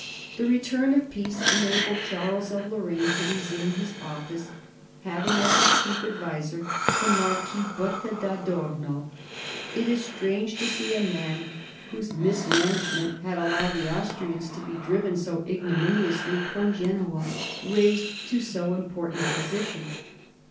The return of peace enabled Charles of Lorraine to resume his office, having as his chief adviser the Marquis Botta d'Adorno. It is strange to see a man, whose mismanagement had allowed the Austrians to be driven 84 MARIA THERESA chap, iv so ignominiously from Genoa, raised to so important a position.